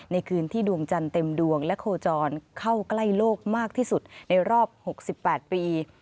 คืนที่ดวงจันทร์เต็มดวงและโคจรเข้าใกล้โลกมากที่สุดในรอบ๖๘ปี